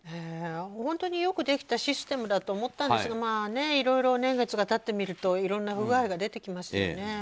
本当によくできたシステムだと思ったんですがいろいろ年月が経ってみるといろんな不具合が出てきますよね。